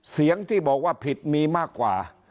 เสียงที่บอกว่าผิดมีมากกว่า